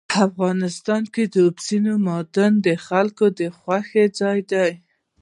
افغانستان کې اوبزین معدنونه د خلکو د خوښې وړ ځای دی.